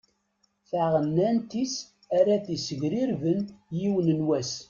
D taɣennant-is ara t-issegrirben yiwen n wass.